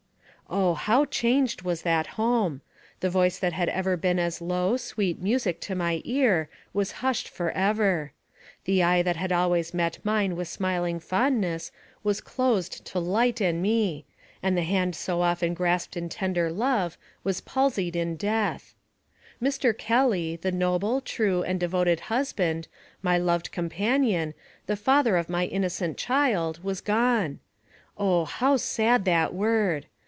Oh ! how changed was that home ! The voice that 236 NARRATIVE OF CAPTIVITY had ever been as low, sweet music to my ear was hushed forever ; the eye that had always met mine with smiling fondness was closed to light and me, and the hand so often grasped in tender love was palsied in death! Mr. Kelly, the noble, true, and devoted hus band, my loved companion, the father of my innocent child, was gone. Oh! how sad that word!